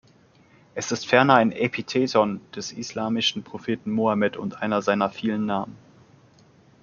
Es ist ferner ein Epitheton des islamischen Propheten Mohammed und einer seiner vielen Namen.